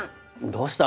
どうした？